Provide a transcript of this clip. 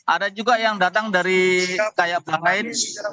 ada juga yang datang dari kayak bahrain